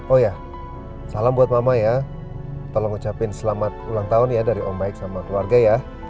oh ya salam buat mama ya tolong ucapin selamat ulang tahun ya dari omik sama keluarga ya